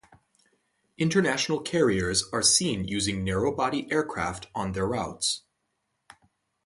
International carriers are seen using narrow-body aircraft on their routes.